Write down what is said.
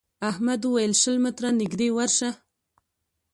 احمد وويل: شل متره نږدې ورشه.